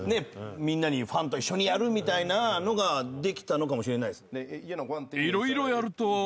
ファンと一緒にやるみたいなのができたのかもしれないです。